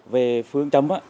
về phương châm thì dễ làm trước